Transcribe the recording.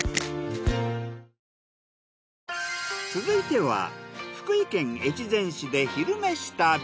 続いては福井県越前市で「昼めし旅」。